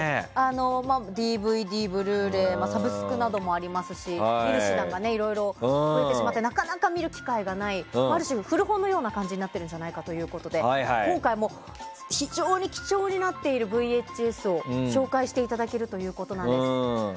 ＤＶＤ、ブルーレイサブスクなどもありますし見る手段がいろいろ増えてしまってなかなか見る機会がないある種、古本のような感じになっているんじゃないかということで今回も非常に貴重になっているＶＨＳを紹介していただけるということなんです。